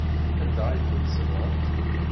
Anda ay tent-tsebɣeḍ?